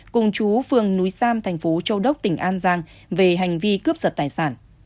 cùng chú phường núi sam thành phố châu đốc tỉnh an giang về hành vi cướp giật tài sản